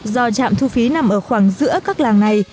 do trạm thu phí nằm ở khoảng giữa các làng này